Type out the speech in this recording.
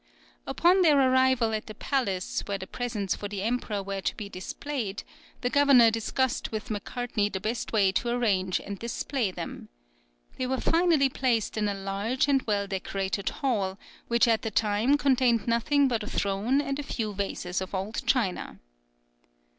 Upon their arrival at the palace, where the presents for the emperor were to be displayed, the governor discussed with Macartney the best way to arrange and display them. They were finally placed in a large and well decorated hall, which at the time contained nothing but a throne and a few vases of old china.